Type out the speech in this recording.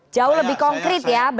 jauh lebih konkret ya